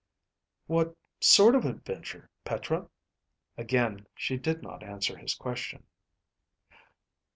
"What sort of adventure, Petra?" Again she did not answer his question.